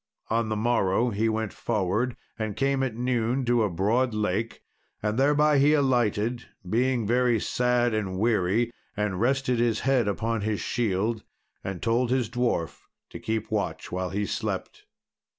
On the morrow he went forward, and came at noon to a broad lake, and thereby he alighted, being very sad and weary, and rested his head upon his shield, and told his dwarf to keep watch while he slept.